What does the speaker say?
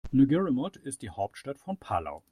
Ngerulmud ist die Hauptstadt von Palau.